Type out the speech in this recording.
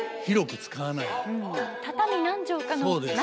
畳何畳かの中で。